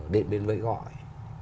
điện biên vĩ gọi